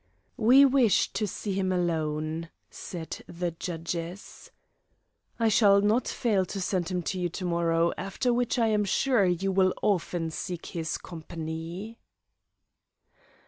"We wish to see him alone," said the judges. "I shall not fail to send him to you to morrow, after which I am sure you will often seek his company."